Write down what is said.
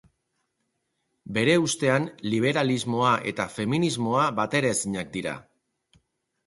Bere ustean liberalismoa eta feminismoa bateraezinak dira.